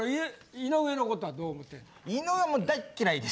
井上のことはどう思ってんの？